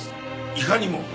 いかにも！